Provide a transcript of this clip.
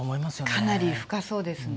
かなり深そうですね。